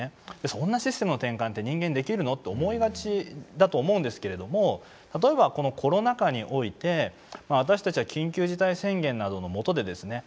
そんなシステムの転換って人間にできるの？って思いがちだと思うんですけれども例えばこのコロナ禍において私たちは緊急事態宣言などの下でですね